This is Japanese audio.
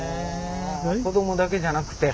子どもだけじゃなくて。